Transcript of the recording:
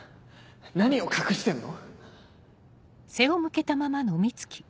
何を隠してんの？